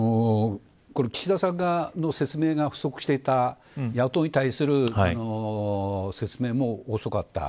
岸田さんの説明が不足していた野党に対する説明も遅かった。